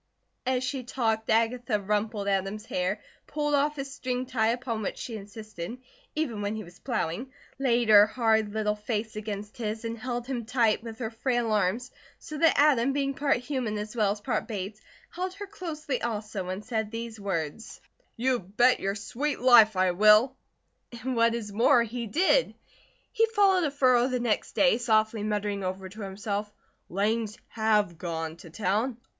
'" As she talked Agatha rumpled Adam's hair, pulled off his string tie, upon which she insisted, even when he was plowing; laid her hard little face against his, and held him tight with her frail arms, so that Adam being part human as well as part Bates, held her closely also and said these words: "You bet your sweet life I will!" And what is more he did. He followed a furrow the next day, softly muttering over to himself: "Langs have gone to town.